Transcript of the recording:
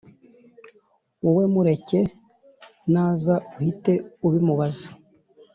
Wowe mureke naza uhite ubimubazza